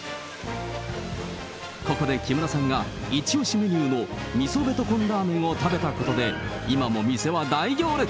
ここで木村さんが、一押しメニューのみそベトコンラーメンを食べたことで、今も店は大行列。